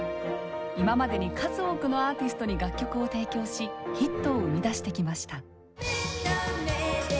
今までに数多くのアーティストに楽曲を提供しヒットを生み出してきました。